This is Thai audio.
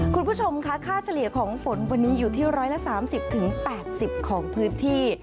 คุณผู้ชมค่ะค่าเฉลี่ยของฝนวันนี้อยู่ที่๑๓๐๘๐ของพื้นที่